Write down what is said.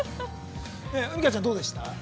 海荷ちゃん、どうでしたか。